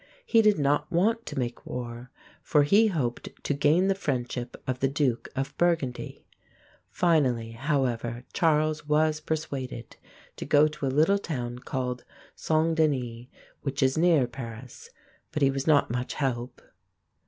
He did not want to make war; for he hoped to gain the friendship of the Duke of Burgundy. Finally, however, Charles was persuaded to go to a little town called St. Denis (Song Den ee), which is near Paris. But he was not much help.